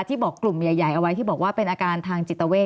บอกกลุ่มใหญ่เอาไว้ที่บอกว่าเป็นอาการทางจิตเวท